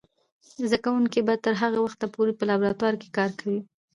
زده کوونکې به تر هغه وخته پورې په لابراتوار کې کار کوي.